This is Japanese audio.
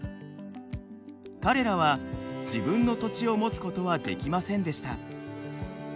彼らは自分の土地を持つことはできませんでした。